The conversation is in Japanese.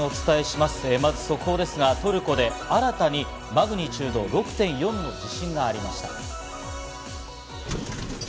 まず速報ですが、トルコで新たにマグニチュード６．４の地震がありました。